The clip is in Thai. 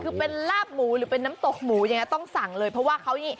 คือเป็นลาบหมูหรือเป็นน้ำตกหมูยังไงต้องสั่งเลยเพราะว่าเขานี่